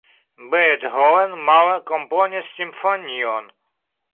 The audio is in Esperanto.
Beethoven male komponis simfonion.